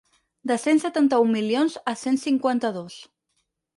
De cent setanta-un milions a cent cinquanta-dos.